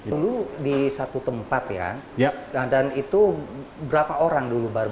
dulu di satu tempat ya dan itu berapa orang dulu baru